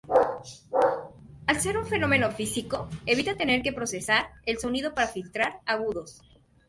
Al ser un fenómeno físico, evita tener que procesar el sonido para filtrar agudos.